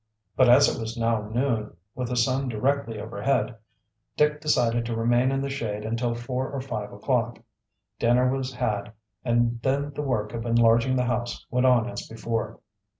But as it was now noon, with the sun directly overhead, Dick decided to remain in the shade until four or five o'clock. Dinner was had, and then the work of enlarging the house went on as before.